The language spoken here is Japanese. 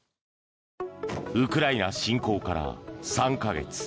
ウクライナ侵攻から３か月。